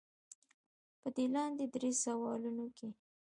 پۀ دې لاندې درې سوالونو کښې